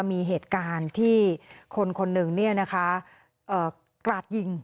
มีเหตุการณ์ที่คนคนหนึ่งเนี่ยนะคะเอ่อกราดยิง